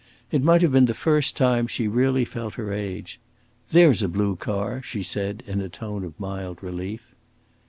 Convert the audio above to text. It might have been the first time she really felt her age. "There's a blue car," she said, in a tone of mild relief.